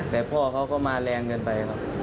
แต่พ่อเขาก็มาแรงเกินไปครับ